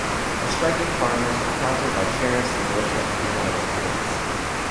The striking farmers were countered by sheriffs, militia, and vigilante groups.